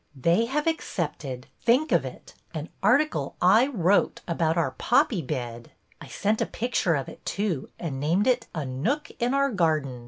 They have accepted — think of it! — an article I wrote about our poppy bed. I sent a picture of it, too, and named it, A Nook in Our Garden."